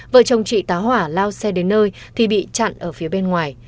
vợ chồng chị tá hỏa lao xe đến nơi thì bị chặn ở phía bên ngoài